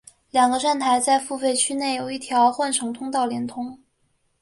两个站台在付费区内有一条换乘通道连通。